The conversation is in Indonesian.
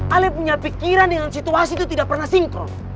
ali punya pikiran dengan situasi itu tidak pernah sinkron